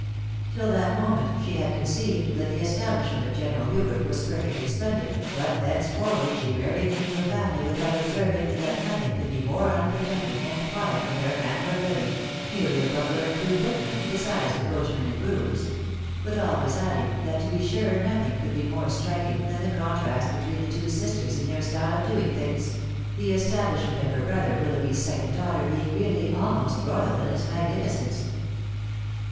TiU that moment die had conceived that the establishment of General Hubert was perfectly splendid, but thenceforward she rarely named the family without observing that nothing could be more unpretending and quiet than their manner of living — ^merely a butler and two footmen, besides the coachman and grooms ;— but always adding, that to be sure nothing could be more striiing than the contrast between the two sisters in their style of doing things — the estabHshment of her brother Willoughby's second daughter being really almost royal in its magnificence.